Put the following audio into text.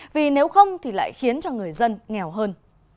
vì nếu không thì lại khiến cho người dân nghèo hơn